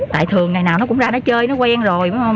tại thường ngày nào nó cũng ra nó chơi nó quen rồi